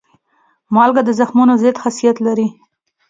مالګه د زخمونو ضد خاصیت لري.